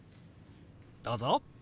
どうぞ！